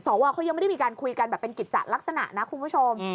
สวเขายังไม่ได้มีการคุยกันแบบเป็นกิจจัดลักษณะนะคุณผู้ชม